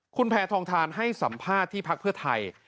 คุณแพทองทานให้สัมภาษณ์ที่พักเพื่อไทย